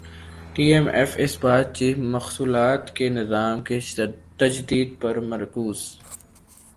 ئی M F سے بات چیت محصولات کے نظام کی تجدید پر مرکوز